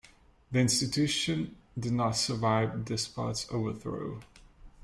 The institution did not survive Despot's overthrow.